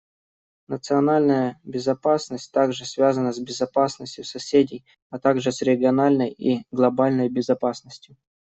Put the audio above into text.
Национальная безопасность также связана с безопасностью соседей, а также с региональной и глобальной безопасностью.